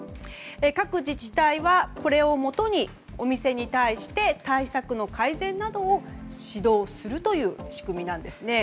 各自治体はこれをもとに、お店に対して対策の改善などを指導するという仕組みなんですね。